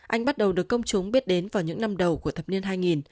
anh bắt đầu được công chúng biết đến vào những năm đầu của thập niên hai nghìn